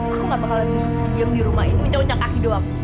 aku nggak bakalan diam di rumah ini unca unca kaki doang